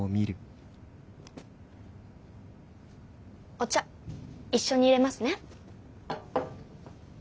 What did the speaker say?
お茶一緒にいれますね。